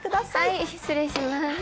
はい、失礼します。